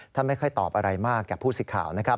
ท่านไม่ค่อยตอบอะไรมากแก่ผู้สิกข่าวนะครับ